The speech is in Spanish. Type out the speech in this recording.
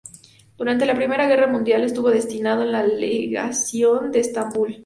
Durante la Primera Guerra Mundial estuvo destinado en la legación de Estambul.